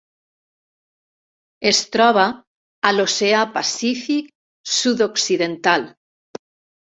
Es troba a l'Oceà Pacífic sud-occidental: